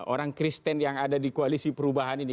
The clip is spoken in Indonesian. orang kristen yang ada di koalisi perubahan ini